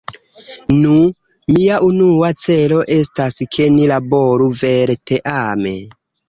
Nu, mia unua celo estas ke ni laboru vere teame.